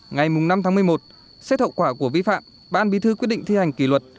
ngày năm tháng một mươi một xét hậu quả của vi phạm ban bí thư quyết định thi hành kỷ luật